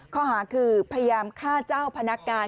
ข้อหาคือพยายามฆ่าเจ้าพนักงาน